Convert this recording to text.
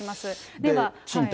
では。